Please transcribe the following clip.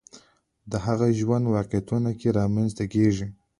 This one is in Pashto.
د هغه ژوند واقعیتونو کې رامنځته کېږي